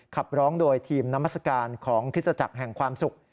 ขับร้องโดยทีมนามัศกาลของคริสตจักรแห่งความสุข